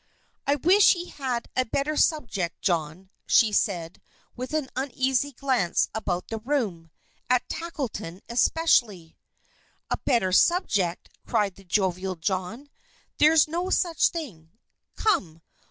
"I wish he had a better subject, John," she said with an uneasy glance about the room at Tackleton especially. "A better subject!" cried the jovial John. "There's no such thing. Come!